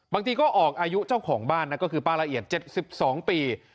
บางทีก็ออกอายุเจ้าของบ้านนะก็คือป้าละเอียด๗๒ปี